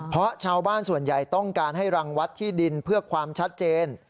เพราะชาวบ้านส่วนใหญ่ต้องการให้รังวัดที่ดินเพื่อความชัดเจน